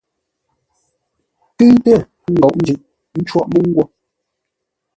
Kʉ́ʉtə́ ə ńgóʼo jʉʼ cwóʼ mə́u nghwó.